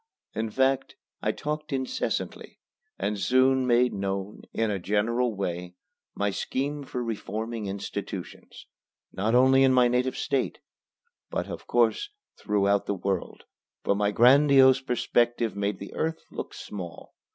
In fact I talked incessantly, and soon made known, in a general way, my scheme for reforming institutions, not only in my native State, but, of course, throughout the world, for my grandiose perspective made the earth look small.